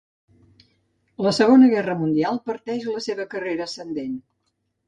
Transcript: La Segona Guerra Mundial parteix la seva carrera ascendent.